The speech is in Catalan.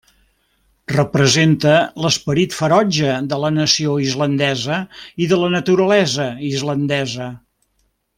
Representa l'esperit ferotge de la nació islandesa i de la naturalesa islandesa.